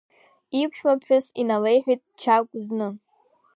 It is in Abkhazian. Иԥшәмаԥҳәыс иналеиҳәеит Чагә зны.